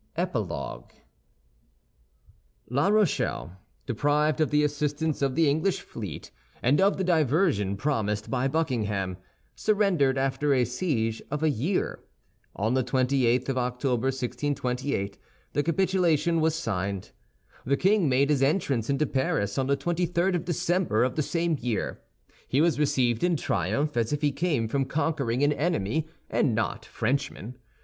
EPILOGUE La Rochelle, deprived of the assistance of the English fleet and of the diversion promised by Buckingham, surrendered after a siege of a year. On the twenty eighth of October, 1628, the capitulation was signed. The king made his entrance into Paris on the twenty third of December of the same year. He was received in triumph, as if he came from conquering an enemy and not Frenchmen.